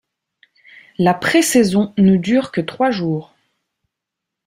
La présaison ne dure que trois jours.